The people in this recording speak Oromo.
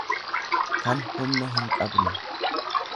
kan humna hinqabne.